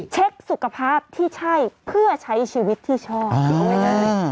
เช็กสุขภาพที่ใช่เพื่อใช้ชีวิตที่ชอบ